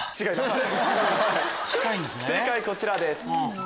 正解こちらです。